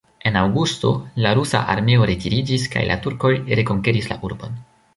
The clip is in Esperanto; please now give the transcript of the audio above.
En aŭgusto, la rusa armeo retiriĝis kaj la turkoj rekonkeris la urbon.